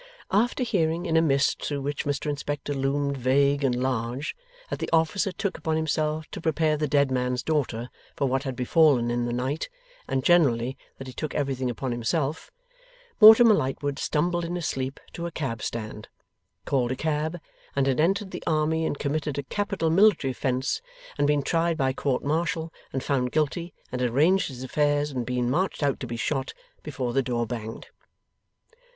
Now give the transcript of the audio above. After hearing, in a mist through which Mr Inspector loomed vague and large, that the officer took upon himself to prepare the dead man's daughter for what had befallen in the night, and generally that he took everything upon himself, Mortimer Lightwood stumbled in his sleep to a cab stand, called a cab, and had entered the army and committed a capital military offence and been tried by court martial and found guilty and had arranged his affairs and been marched out to be shot, before the door banged.